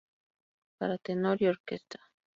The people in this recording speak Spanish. Para tenor y orquesta.